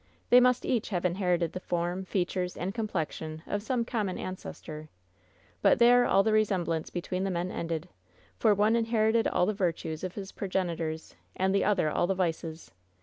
They must each have inherited the form, fea tures and complexion of some common ancestor; but there all the resemblance between the men ended; for one inherited all the virtues of his progenitors and the other all the vices!